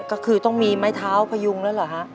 ก็คือต้องมีไม้เท้าพยุงแล้วเหรอฮะ